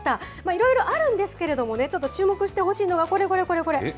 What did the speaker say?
いろいろあるんですけれどもね、ちょっと注目してほしいのがこれこれこれこれ。